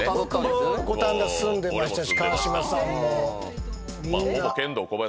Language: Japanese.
僕も五反田住んでましたし川島さんもみんな。